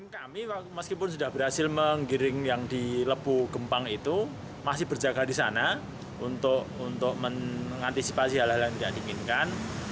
kami meskipun sudah berhasil menggiring yang di lepu gempa itu masih berjaga di sana untuk mengantisipasi hal hal yang tidak diinginkan